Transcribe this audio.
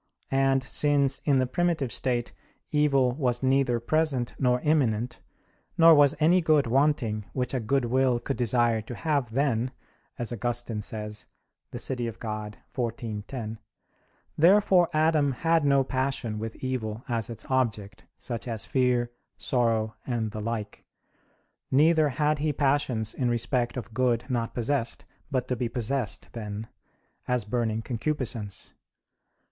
And since in the primitive state, evil was neither present nor imminent, nor was any good wanting which a good will could desire to have then, as Augustine says (De Civ. Dei xiv, 10), therefore Adam had no passion with evil as its object; such as fear, sorrow, and the like; neither had he passions in respect of good not possessed, but to be possessed then, as burning concupiscence.